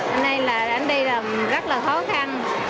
anh này là anh đi làm rất là khó khăn